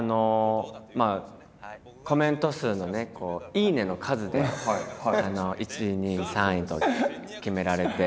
コメント数のね「いいね」の数で１位２位３位と決められて。